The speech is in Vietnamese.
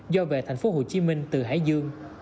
do về thành phố hồ chí minh từ hải dương